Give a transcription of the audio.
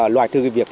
loại trừ việc